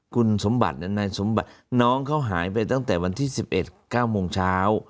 คุณสมบัตินายสมบัติน้องเขาหายไปตั้งแต่วันที่๑๑๙โมงเช้า